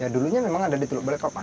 ya dulunya memang ada di turug banipapa